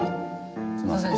すみません